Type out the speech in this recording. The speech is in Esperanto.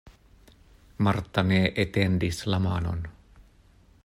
Marta ne etendis la manon.